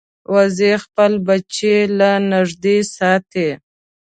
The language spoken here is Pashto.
وزې خپل بچي له نږدې ساتي